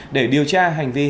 để điều tra hành vi